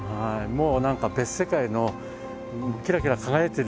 もう何か別世界のキラキラ輝いてる。